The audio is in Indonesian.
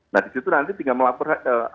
nah disitu nanti tinggal melapor